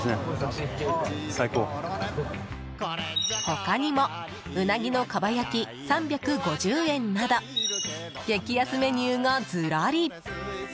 他にもウナギのかば焼き３５０円など激安メニューがずらり。